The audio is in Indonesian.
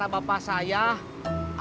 abang lupa ceritanya aja